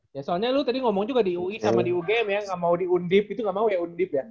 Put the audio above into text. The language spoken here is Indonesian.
ya soalnya lu tadi ngomong juga di ui sama di ugm ya nggak mau di undip itu nggak mau ya undip ya